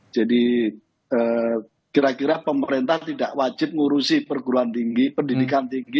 jadi kira kira pemerintah tidak wajib mengurusi perguruan tinggi pendidikan tinggi